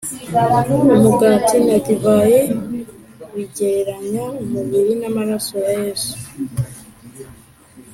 Umugati na divayi bigereranya umubiri n amaraso ya Yesu